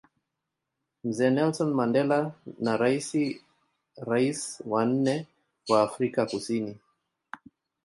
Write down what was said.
Mzee Nelson Mandela na raisi Rais wa nne wa Afrika kusini